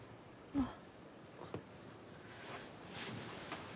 あっ！